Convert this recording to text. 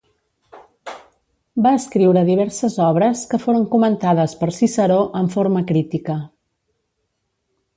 Va escriure diverses obres que foren comentades per Ciceró en forma critica.